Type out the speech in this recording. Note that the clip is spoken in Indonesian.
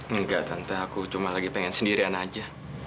enggak tante aku cuma lagi pengen sendirian aja